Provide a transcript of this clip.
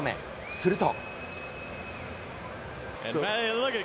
すると。